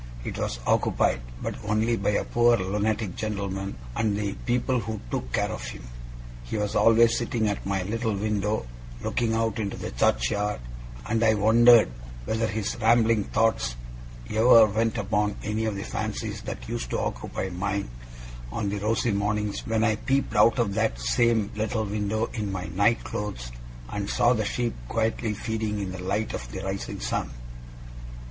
It was occupied, but only by a poor lunatic gentleman, and the people who took care of him. He was always sitting at my little window, looking out into the churchyard; and I wondered whether his rambling thoughts ever went upon any of the fancies that used to occupy mine, on the rosy mornings when I peeped out of that same little window in my night clothes, and saw the sheep quietly feeding in the light of the rising sun.